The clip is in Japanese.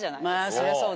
そりゃそうだ。